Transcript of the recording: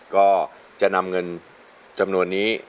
ก็จะนำเงินจำนวนนี้